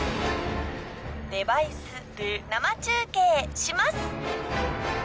デバイスで生中継します。